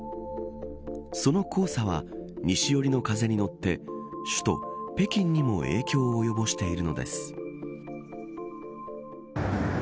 その黄砂は西寄りの風に乗って首都、北京にも影響を及ぼしているのです。